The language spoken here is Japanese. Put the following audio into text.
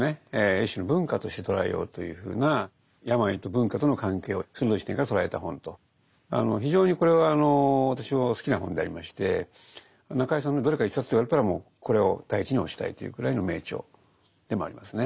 一種の文化として捉えようというふうな非常にこれは私も好きな本でありまして中井さんのどれか一冊と言われたらもうこれを第一に推したいというくらいの名著でもありますね。